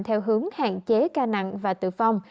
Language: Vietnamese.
theo hướng hạn chế ca nặng và tử vong